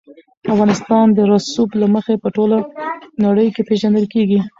افغانستان د رسوب له مخې په ټوله نړۍ کې پېژندل کېږي.